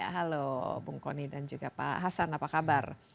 halo bung kony dan juga pak hasan apa kabar